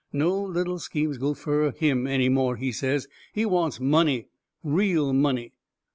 No little schemes go fur him any more, he says. He wants money. Real money.